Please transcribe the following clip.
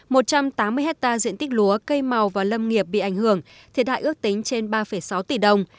một trăm tám mươi hectare diện tích lúa cây màu và lâm nghiệp bị ảnh hưởng thiệt hại ước tính trên ba sáu tỷ đồng